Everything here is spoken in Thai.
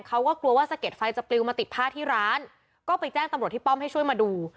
เขาก็กลัวว่าสะเด็ดไฟจะปลิวมาติดผ้าที่ร้านก็ไปแจ้งตำรวจที่ป้อมให้ช่วยมาดู